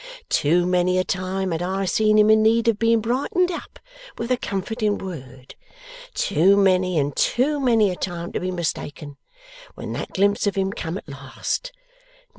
Too many a time had I seen him in need of being brightened up with a comforting word! Too many and too many a time to be mistaken, when that glimpse of him come at last!